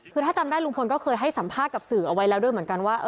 คือถ้าจำได้ลุงพลก็เคยให้สัมภาษณ์กับสื่อเอาไว้แล้วด้วยเหมือนกันว่า